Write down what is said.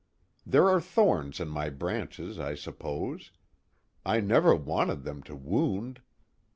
There are thorns in my branches, I suppose. I never wanted them to wound.